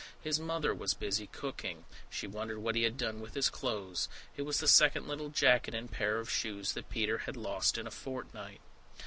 His mother was busy cooking; she wondered what he had done with his clothes. It was the second little jacket and pair of shoes that Peter had lost in a fortnight!